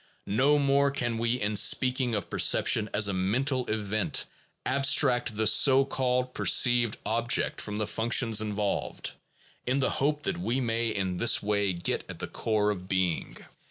No more can we, in speaking of perception as a mental event, abstract the so called perceived object from the functions involved, in the hope that we may in this way get at the core of being.